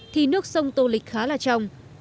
thì nước sông tô lịch khá là trong